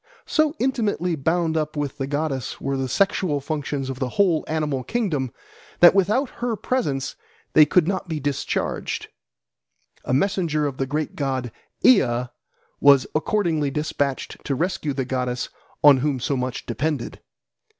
So intimately bound up with the goddess were the sexual functions of the whole animal kingdom that without her presence they could not be discharged. A messenger of the great god Ea was accordingly despatched to rescue the goddess on whom so much depended.